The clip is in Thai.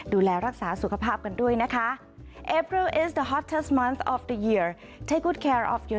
ดูแลรักษาสุขภาพกันด้วยนะคะ